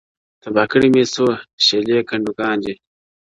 تباه كړي مي څو شلي كندوگان دي،